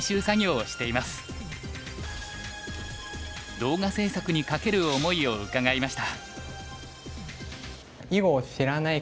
動画制作にかける思いを伺いました。